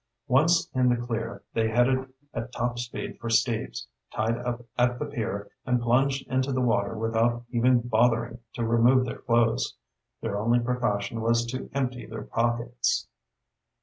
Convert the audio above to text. Once in the clear, they headed at top speed for Steve's, tied up at the pier, and plunged into the water without even bothering to remove their clothes. Their only precaution was to empty their pockets.